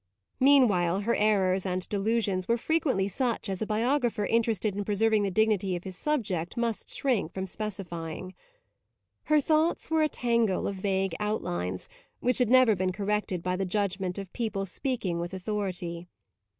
Meanwhile her errors and delusions were frequently such as a biographer interested in preserving the dignity of his subject must shrink from specifying. Her thoughts were a tangle of vague outlines which had never been corrected by the judgement of people speaking with authority.